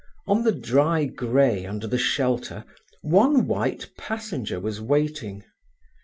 On the dry grey under the shelter, one white passenger was waiting.